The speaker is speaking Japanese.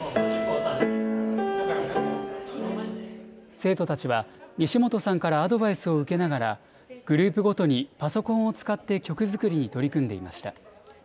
生徒たちは西本さんからアドバイスを受けながらグループごとにパソコンを使って曲作りに取り組んでいました。